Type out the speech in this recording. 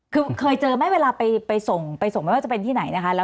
คือเคยเจอไหมเวลาไปส่งไปส่งไม่ว่าจะเป็นที่ไหนนะคะ